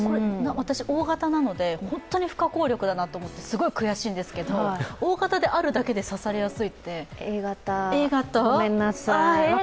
私、Ｏ型なので本当に不可抗力なんだとすごい悔しいんですけどＯ型であるだけで刺されやすいって私、Ａ型、ごめんなさい。